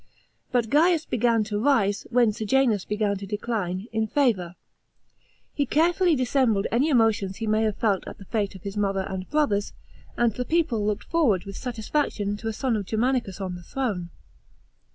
But Gaius began to rise, when Sejanus began to decline, in favour. He carefully dissembled any emotions he may have felt at the fate of his mother and brothers; and the people looked forward witli satisfaction to a son of Germanicus on the throne.